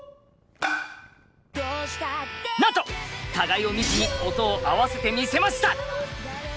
なんと互いを見ずに音を合わせてみせました。